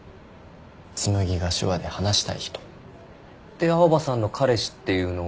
紬が手話で話したい人。で青羽さんの彼氏っていうのが。